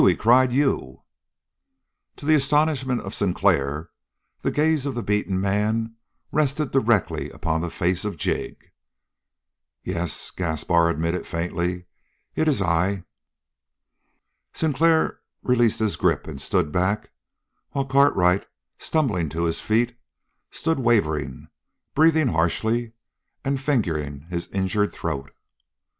he cried. "You!" To the astonishment of Sinclair the gaze of the beaten man rested directly upon the face of Jig. "Yes," Gaspar admitted faintly, "it is I!" Sinclair released his grip and stood back, while Cartwright, stumbling to his feet, stood wavering, breathing harshly and fingering his injured throat.